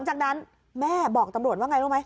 ใช่